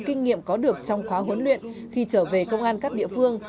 kinh nghiệm có được trong khóa huấn luyện khi trở về công an các địa phương